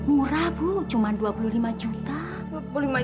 murah bu cuma dua puluh lima juta